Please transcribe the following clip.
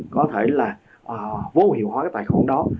có thể là vô hiệu hóa cái tài khoản đó